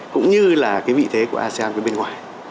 cũng như là cái vị thế của asean bên ngoài